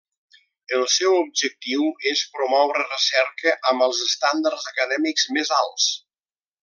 El seu objectiu és promoure recerca amb els estàndards acadèmics més alts.